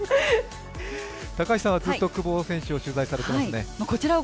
高橋さんはずっと久保選手を取材されていますね？